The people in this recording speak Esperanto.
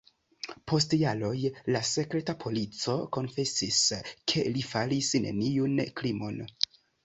Post jaroj la sekreta polico konfesis, ke li faris neniun krimon.